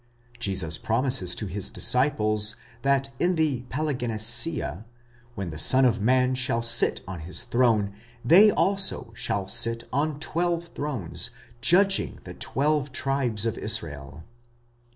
Jesus promises to his disciples that in the παλιγγενεσία, when the Son of man shall sit on his throne, they also shall sit on twelve thrones, judging the tweive tribes of Israel.